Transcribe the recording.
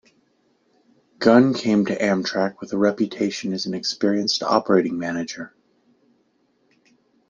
Gunn came to Amtrak with a reputation as an experienced operating manager.